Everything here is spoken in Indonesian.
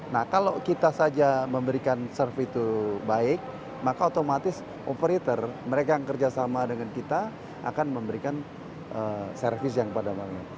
nah kalau kita saja memberikan serve itu baik maka otomatis operator mereka yang kerjasama dengan kita akan memberikan service yang pada banknya